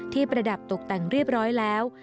ประดับตกแต่งเรียบร้อยแล้ว